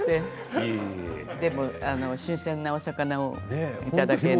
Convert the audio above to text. でも新鮮なお魚をいただければ。